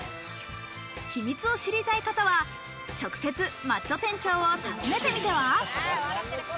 秘密を知りたい方は直接マッチョ店長を訪ねてみては？